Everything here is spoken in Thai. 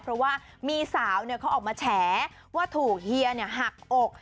เพราะว่ามีสาวเขาออกมาแฉว่าถูกเฮียหักอก